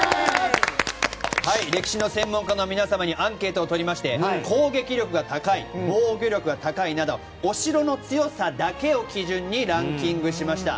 歴史の専門家の皆様にアンケートを取りまして攻撃力が高い防御力が高いなどお城の強さだけを基準にランキングしました。